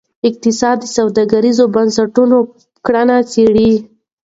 اقتصاد د سوداګریزو بنسټونو کړنې څیړي.